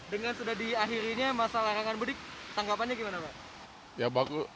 dengan sudah diakhirinya masa larangan mudik tanggapannya gimana pak